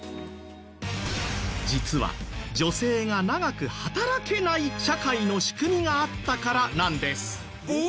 実は女性が長く働けない社会の仕組みがあったからなんです。